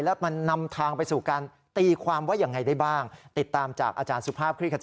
แล้วมันนำทางไปสู่การตีความว่ายังไงได้บ้างติดตามจากอาจารย์สุภาพคลิกขจา